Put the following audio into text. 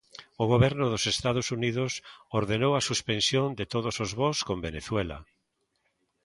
O Goberno dos Estados Unidos ordenou a suspensión de todos os voos con Venezuela.